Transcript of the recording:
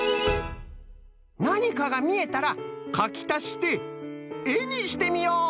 なにかがみえたらかきたしてえにしてみよう。